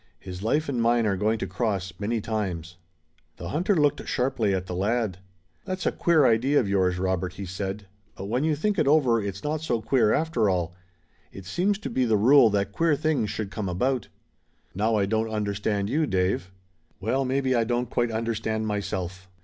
His life and mine are going to cross many times." The hunter looked sharply at the lad. "That's a queer idea of yours, Robert," he said, "but when you think it over it's not so queer, after all. It seems to be the rule that queer things should come about." "Now I don't understand you, Dave." "Well, maybe I don't quite understand myself.